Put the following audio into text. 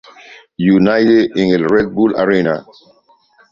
United en el Red Bull Arena.